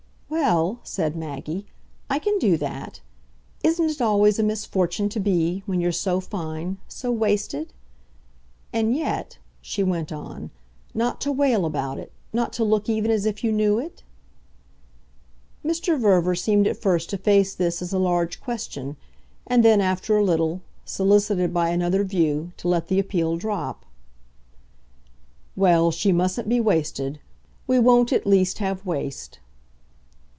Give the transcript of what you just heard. "Well," said Maggie, "I can do that. Isn't it always a misfortune to be when you're so fine so wasted? And yet," she went on, "not to wail about it, not to look even as if you knew it?" Mr. Verver seemed at first to face this as a large question, and then, after a little, solicited by another view, to let the appeal drop. "Well, she mustn't be wasted. We won't at least have waste."